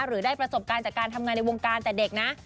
หรือได้ประสบการณ์จากการทำงานในวงการแต่เด็กนะ